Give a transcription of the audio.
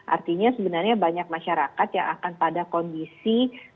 artinya sebenarnya banyak masyarakat yang akan pada kondisi